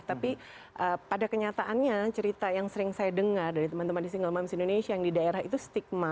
tapi pada kenyataannya cerita yang sering saya dengar dari teman teman di single moms indonesia yang di daerah itu stigma